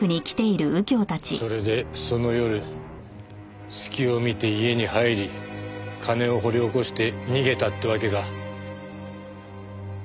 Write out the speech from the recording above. それでその夜隙を見て家に入り金を掘り起こして逃げたってわけか。